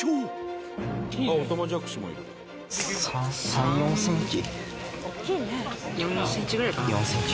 ３４ｃｍ？